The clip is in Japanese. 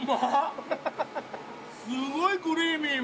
すごいクリーミー